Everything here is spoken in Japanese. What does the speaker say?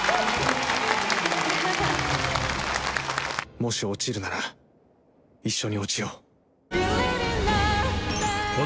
もし落ちるなら一緒に落ちよう。